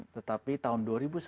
tetapi tahun dua ribu sebelas